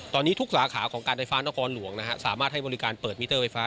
ตอนนี้ทุกสาขาของการไฟฟ้านครหลวงสามารถให้บริการเปิดมิเตอร์ไฟฟ้า